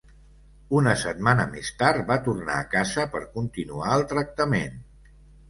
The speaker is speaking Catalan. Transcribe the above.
Una setmana més tard va tornar a casa per continuar el tractament.